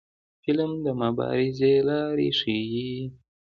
فلم د مبارزې لارې ښيي